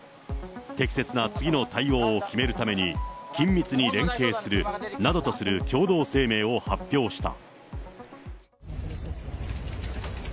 適切な次の対応を決めるために、緊密に連携するなどとする共同声明を発表した。